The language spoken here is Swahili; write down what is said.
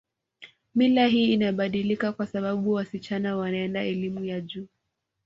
Mila hii inabadilika kwa sababu wasichana wanaenda elimu ya juu